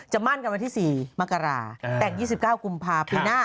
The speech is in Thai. มั่นกันวันที่๔มกราแต่ง๒๙กุมภาพีหน้า